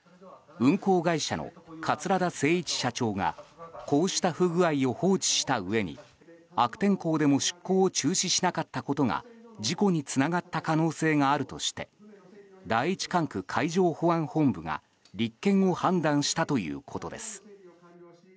運航会社の桂田精一社長がこうした不具合を放置したうえに悪天候でも出航を中止しなかったことが事故につながった可能性があるとして第１管区海上保安本部が立件を判断したということです。